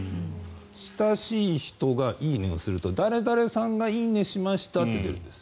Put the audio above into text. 親しい人が「いいね」をすると誰々さんが「いいね」しましたって出るんです。